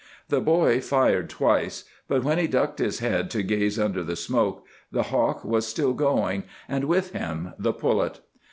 The boy fired twice, but when he ducked his head to gaze under the smoke, the hawk was still going, and with him the pullet.